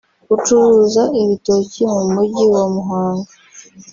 ucuruza ibitoki mu Mujyi wa Muhanga